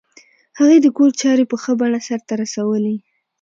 هغې د کور چارې په ښه بڼه سرته رسولې